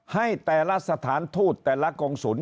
ให้แต่ละสถานทูตแต่ละกรงศุล